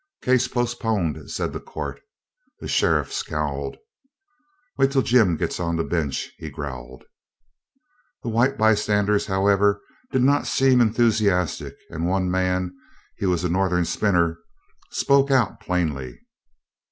"Case postponed," said the Court. The sheriff scowled. "Wait till Jim gets on the bench," he growled. The white bystanders, however, did not seem enthusiastic and one man he was a Northern spinner spoke out plainly.